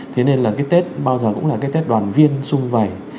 thế nên là cái tết bao giờ cũng là cái tết đoàn viên sung vẩy